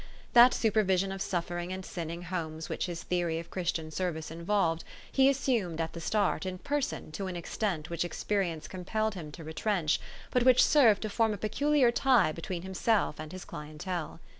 That supervision of suffering and sinning homes which his theor} 7 of Christian sendee involved, he assumed at the start in person to an extent which experience compelled him to retrench, but which served to form a peculiar tie between himself and his clientele.